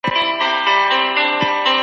کمپيوټر ټاور کنټرولوي.